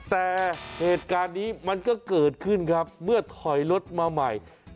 แต่เหตุการณ์นี้มันก็เกิดขึ้นครับเมื่อถอยรถมาใหม่